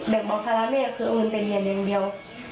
เด็กบอลฟารักษ์เมฆคือเอาเงินไปเงินอย่างเดียว